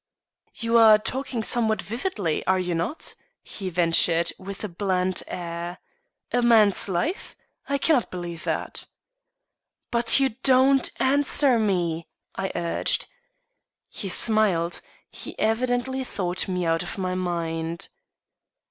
"You are talking somewhat wildly, are you not?" he ventured, with a bland air. "A man's life? I cannot believe that." "But you don't answer me," I urged. He smiled; he evidently thought me out of my mind.